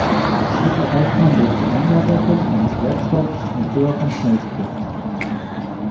Dies erreicht man durch die Einlagerung eines Werkstoffs mit höherem Schmelzpunkt.